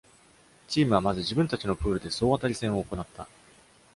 チームはまず自分たちのプールで総当たり戦を行った。